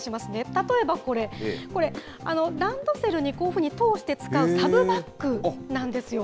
例えばこれ、ランドセルにこういうふうにして通して使うサブバッグなんですよ。